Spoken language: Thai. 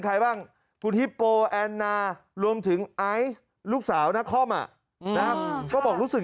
ใครบ้างคุณฮิปโปแอนนารวมถึงไอซ์ลูกสาวนครก็บอกรู้สึก